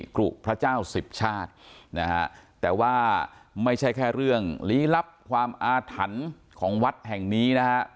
กรุพระเจ้าสิบชาตินะฮะแต่ว่าไม่ใช่แค่เรื่องลี้ลับความอาถรรพ์ของวัดแห่งนี้นะฮะ